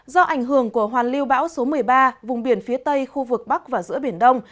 do ảnh hưởng của hoàn lưu bão số một mươi ba vùng biển phía tây khu vực bắc và giữa biển đông